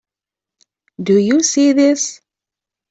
Do you see this?